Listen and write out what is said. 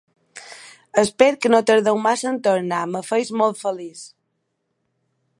Espero que no tardeu massa en tornar, em feu molt feliç.